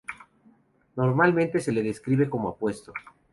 Normalmente se le describe como apuesto.